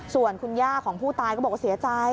ส่วนคุณย่าของผู้ตายก็บอกว่าเสียใจ